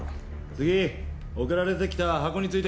次送られて来た箱について。